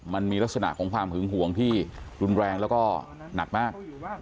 มันมีลักษณะของความหึงห่วงที่รุนแรงแล้วก็หนักมาก